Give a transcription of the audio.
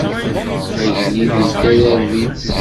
Agellid idda d arbib.